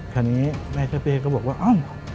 คราวนี้แม่เจ้าเป้ก็บอกว่าเอ้า